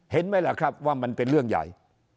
เห็นไหมล่ะครับว่ามันเป็นเรื่องใหญ่